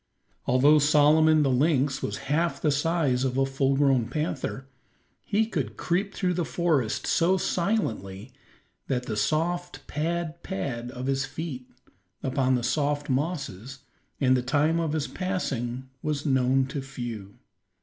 Although Solomon the lynx was half the size of a full grown panther, he could creep through the forest so silently that the soft pad, pad of his feet upon the soft mosses, and the time of his passing was known to few.